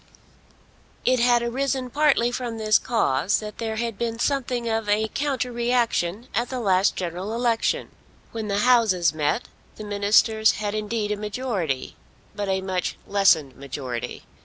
It had arisen partly from this cause, that there had been something of a counter reaction at the last general election. When the Houses met, the Ministers had indeed a majority, but a much lessened majority.